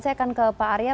saya akan ke pak arya